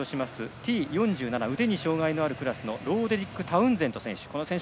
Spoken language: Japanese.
Ｔ４７腕に障がいのあるクラスのタウンゼント選手。